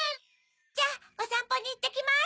じゃあおさんぽにいってきます。